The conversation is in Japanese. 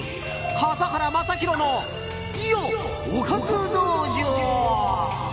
笠原将弘のおかず道場。